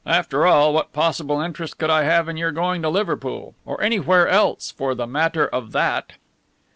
After all, what possible interest could I have in your going to Liverpool, or anywhere else for the matter of that?"